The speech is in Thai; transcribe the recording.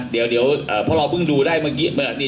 เดี๋ยวพวกเราเพิ่งดูได้เมื่อกี้